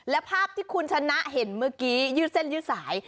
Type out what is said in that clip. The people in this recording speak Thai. และภาพที่คุณชนะเห็นเมื่อกี้ยืดเส้นยืดสาย